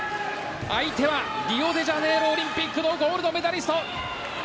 相手は、リオデジャネイロオリンピックのゴールドメダリスト。